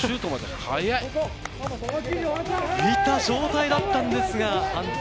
浮いた状態だったんですが。